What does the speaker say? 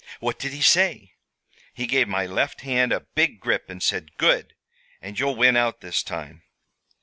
"What did he say?" "He gave my left hand a big grip and said: 'Good! and you'll win out this time.'"